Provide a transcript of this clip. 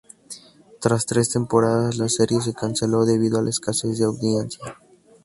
Tras tres temporadas, la serie se canceló debido a la escasez de audiencia.